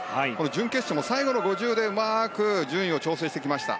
準決勝も最後の５０でうまく調整してきました。